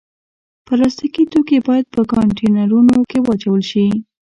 پلاستيکي توکي باید په کانټینرونو کې واچول شي.